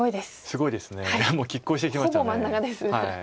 すごいですはい。